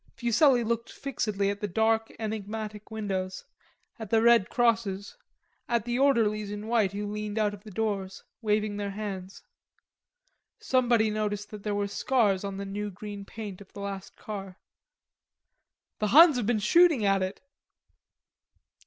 Fuselli looked fixedly at the dark enigmatic windows, at the red crosses, at the orderlies in white who leaned out of the doors, waving their hands. Somebody noticed that there were scars on the new green paint of the last car. "The Huns have been shooting at it."